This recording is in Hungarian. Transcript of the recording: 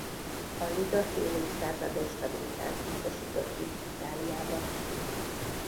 A Liga fél évszázados stabilitást biztosított Itáliában.